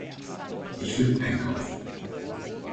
Ich will einkaufen.